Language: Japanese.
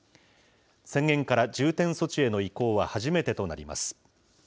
宣言から重点措置への移行は初めてとなります。